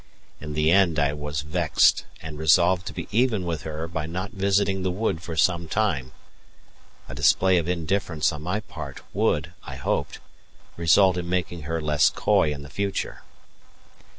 In the end I was vexed, and resolved to be even with her by not visiting the wood for some time. A display of indifference on my part would, I hoped, result in making her less coy in the future.